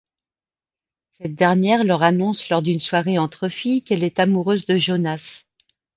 Cette dernière leur annonce lors d'une soirée entre fille qu'elle est amoureuse de Jonas.